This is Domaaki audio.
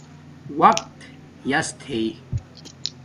وقت یاس تھݵ